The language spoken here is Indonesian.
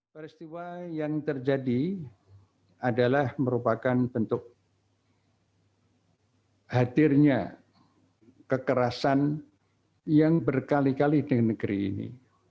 peristiwa yang terjadi adalah merupakan bentuk hadirnya kekerasan yang berkali kali di negeri ini